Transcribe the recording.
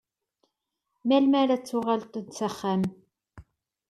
Melmi ara d-tuɣaleḍ s axxam?